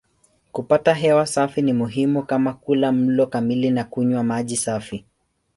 Kupata hewa safi ni muhimu kama kula mlo kamili na kunywa maji safi.